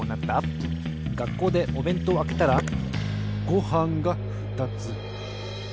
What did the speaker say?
がっこうでおべんとうをあけたらごはんがふたつ。